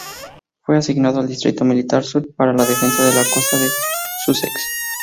Fue asignado al distrito militar sur para la defensa de la costa de Sussex.